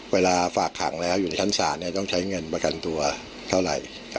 เวลาฝากขังแล้วอยู่ในชั้นศาลต้องใช้เงินประกันตัวเท่าไหร่